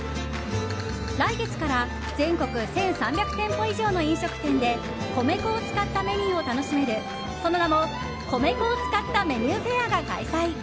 来月から全国１３００店舗以上の飲食店で米粉を使ったメニューを楽しめるその名も、米粉を使ったメニューフェアが開催。